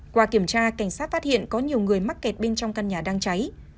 qua kiểm tra cảnh sát phát hiện có nhiều người mắc kẹt bên trong căn nhà đang cháy